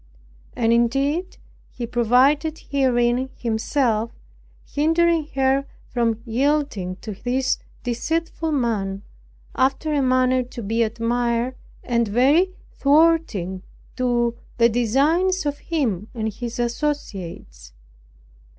And indeed He provided herein Himself, hindering her from yielding to this deceitful man, after a manner to be admired, and very thwarting to the designs of him and his associates.